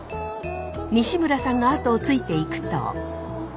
西村さんのあとをついていくと。